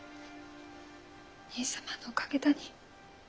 兄さまのおかげだに。